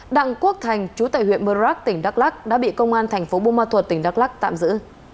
đặng quốc thành chú tài huyện mơ rắc tỉnh đắk lắc đã bị công an thành phố bô ma thuật tỉnh đắk lắc tạm giữ